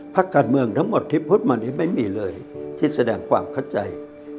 พักการเมืองทั้งหมดที่พูดมานี้ไม่มีเลยที่แสดงความเข้าใจ